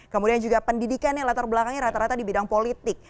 kemudian juga pendidikan yang latar belakangnya rata rata di bidang politik